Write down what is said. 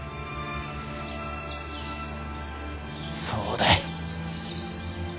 そうだい。